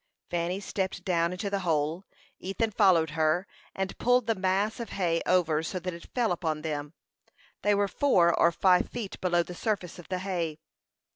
Fanny stepped down into the hole; Ethan followed her, and pulled the mass of hay over so that it fell upon them. They were four or five feet below the surface of the hay.